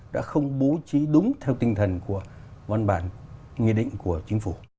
đã không bố trí đúng theo tinh thần của văn bản nghị định của chính phủ